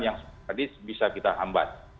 yang tadi bisa kita hambat